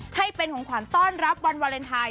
ให้เป็นของขวัญต้อนรับวันวาเลนไทย